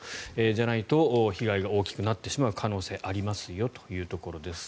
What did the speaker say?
じゃないと被害が大きくなってしまう可能性がありますよというところです。